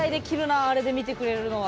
あれで見てくれるのは。